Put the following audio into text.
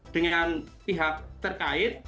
dengan pihak terkait